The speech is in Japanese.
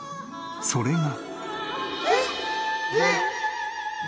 それが。